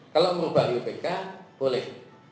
kalau merubah iupk boleh